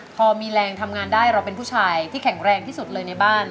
พอมีแรงทำงานได้เราเป็นผู้ชายที่แข็งแรงที่สุดเลยในบ้าน